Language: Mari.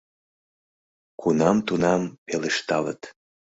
Кунам-тунам пелешталыт.